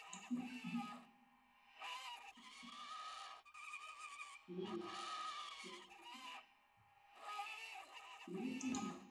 Es domāju, ka šādi formulējumi būtu vietā, piemēram, valdības deklarācijā.